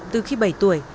từ khi bảy tuổi